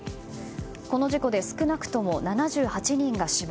この事故で少なくとも７８人が死亡。